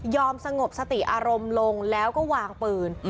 สงบสติอารมณ์ลงแล้วก็วางปืน